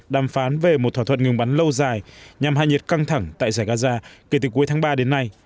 đàm phán về một thỏa thuận ngừng bắn lâu dài nhằm hai nhiệt căng thẳng tại giải gaza kể từ cuối tháng ba đến nay